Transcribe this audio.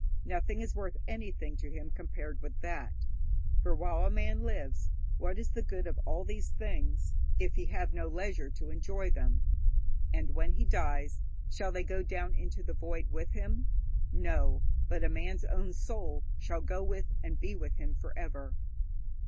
Nothing is worth anything to him compared with that, for while a man lives, what is the good of all these things if he have no leisure to enjoy them? And when he dies, shall they go down into the void with him? No; but a man's own soul shall go with and be with him for ever.